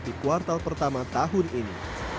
di kuartal pertama tahun ini